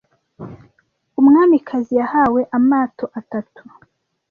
Umwamikazi yahawe amato atatu.